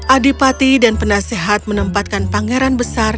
adipati dan penasehat menempatkan pangeran besar